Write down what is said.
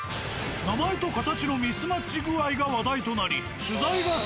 名前と形のミスマッチ具合が話題となり。